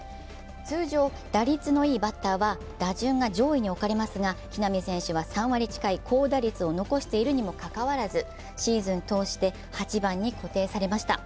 通常、打率のいいバッターは打順が上位に置かれますが木浪選手は３割近い高打率を残しているにもかかわらず、シーズン通して８番に固定されました。